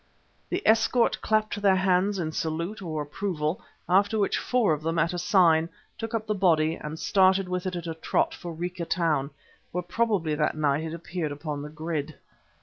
The escort clapped their hands in salute or approval, after which four of them, at a sign, took up the body and started with it at a trot for Rica Town, where probably that night it appeared upon the grid.